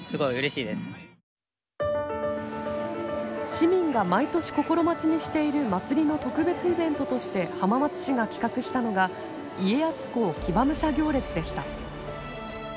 市民が毎年心待ちにしている祭りの特別イベントとして浜松市が企画したのが家康公騎馬武者行列でした。